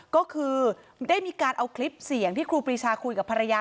ก็คือได้มีการเอาคลิปเสียงที่ครูปรีชาคุยกับภรรยา